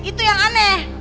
itu yang aneh